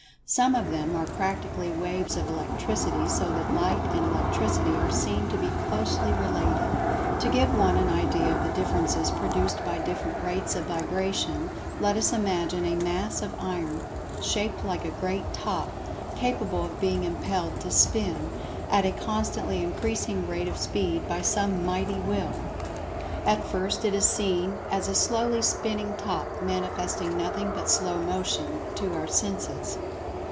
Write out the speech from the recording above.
Some of them are practically waves of Electricity so that Light and Electricity are seen to be closely related. To give one an idea of the differences produced by different rates of vibration, let us imagine a Mass of Iron, shaped like a great "Top," capable of being impelled to "spin" at a constantly increasing rate of speed, by some Mighty Will. At first it is seen as a slowly spinning Top, manifesting nothing but slow motion, to our senses.